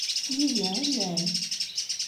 Yid-i i llan.